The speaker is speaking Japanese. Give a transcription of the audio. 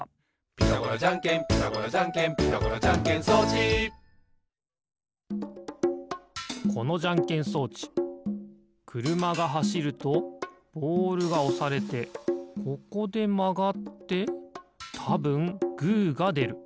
「ピタゴラじゃんけんピタゴラじゃんけん」「ピタゴラじゃんけん装置」このじゃんけん装置くるまがはしるとボールがおされてここでまがってたぶんグーがでる。